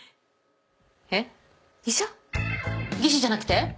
技師じゃなくて？